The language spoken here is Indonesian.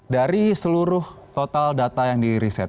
dari seluruh total data yang di riset